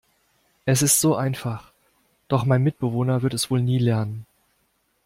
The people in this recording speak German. Es ist so einfach, doch mein Mitbewohner wird es wohl nie lernen.